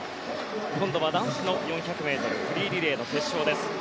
今度は男子の４００ｍフリーリレーの決勝です。